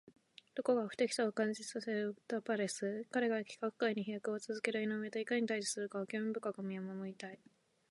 どこか不敵さを感じさせるタパレス。彼が規格外に飛躍を続ける井上といかに対峙するかを興味深く見守りたい。